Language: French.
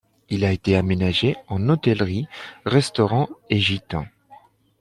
Il a été aménagé en hôtellerie, restaurant et gites.